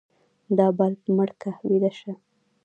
دا بلپ مړ که ويده شه.